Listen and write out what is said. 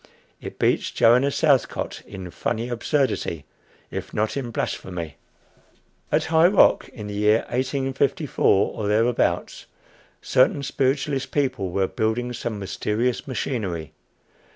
It beats Joanna Southcott in funny absurdity, if not in blasphemy. At High Rock, in the year 1854 or thereabouts, certain spiritualist people were building some mysterious machinery.